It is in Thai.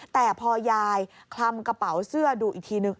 แต่พอยายคลำกระเป๋าเสื้อดูอีกทีนึง